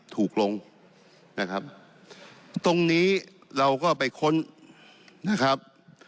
ถูกลงนะครับตรงนี้เราก็ไปค้นนะครับ